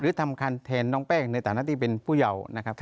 หรือทำการแทนน้องแป้งในฐานะตีเป็นผู้เยาว์นะครับ